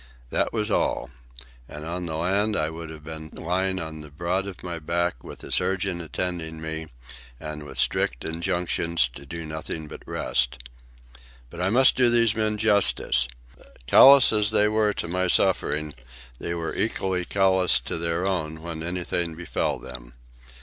That was all; and on the land I would have been lying on the broad of my back, with a surgeon attending on me, and with strict injunctions to do nothing but rest. But I must do these men justice. Callous as they were to my suffering, they were equally callous to their own when anything befell them.